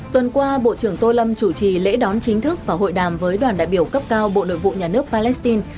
tuần qua bộ trưởng tô lâm chủ trì lễ đón chính thức và hội đàm với đoàn đại biểu cấp cao bộ nội vụ nhà nước palestine